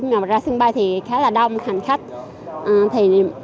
ngoài ra sân bay thì khá là đông thành khách